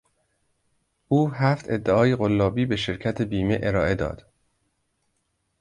او هفت ادعای قلابی به شرکت بیمه ارائه داد.